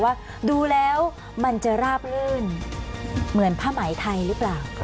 ว่าดูแล้วมันจะราบรื่นเหมือนผ้าไหมไทยหรือเปล่า